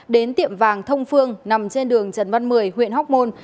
đến tiệm vàng thông phương nằm trên đường trần văn mười huyện hóc môn